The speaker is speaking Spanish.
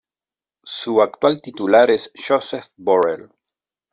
Su actual titular es Josep Borrell.